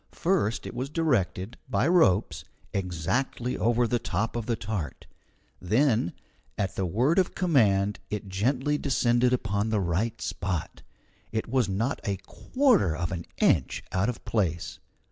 First it was directed, by ropes, exactly over the top of the tart; then at the word of command it gently descended upon the right spot. It was not a quarter of an inch out of place.